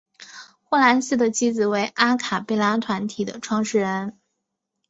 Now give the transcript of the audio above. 霍蓝斯的妻子为阿卡贝拉团体创始人。